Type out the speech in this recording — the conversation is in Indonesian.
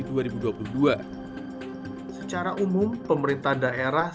secara umum pemerintah daerah